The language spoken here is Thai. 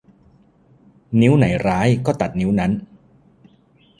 นิ้วไหนร้ายก็ตัดนิ้วนั้น